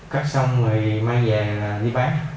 cắt xong rồi mang về